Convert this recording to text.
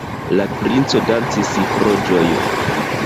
La princo dancis pro ĝojo.